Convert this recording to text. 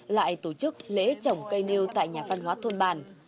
lại tổ chức lễ trồng cây nêu tại nhà văn hóa thôn bàn